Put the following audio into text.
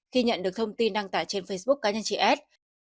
khi nhận được thông tin đăng tải trên facebook cá nhân chị s